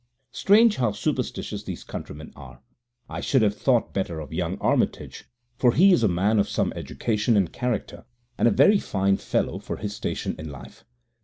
< 3 > Strange how superstitious these countrymen are! I should have thought better of young Armitage, for he is a man of some education and character, and a very fine fellow for his station in life.